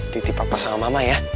titi papa sama mama ya